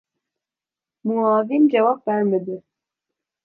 Muavin cevap vermedi.